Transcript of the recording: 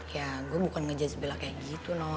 ya gue bukan ngejudge bella kayak gitu noh